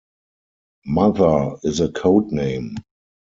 "Mother" is a codename.